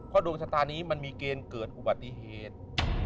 เพราะดวงชะตานี้มันมีเกณฑ์เกิดอุบัติเหตุ